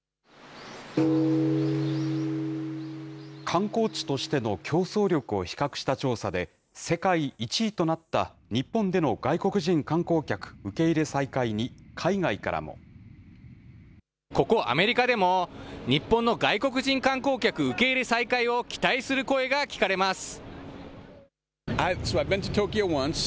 観光地としての競争力を比較した調査で、世界１位となった日本での外国人観光客受け入れ再開に、ここ、アメリカでも、日本の外国人観光客受け入れ再開を期待する声が聞かれます。